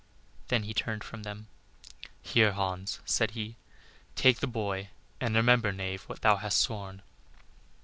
Then he turned from them. "Here, Hans," said he, "take the boy; and remember, knave, what thou hast sworn."